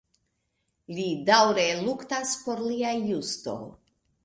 Li daŭre luktas por lia justo.